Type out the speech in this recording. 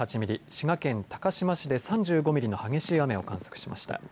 滋賀県高島市で３５ミリの激しい雨を観測しました。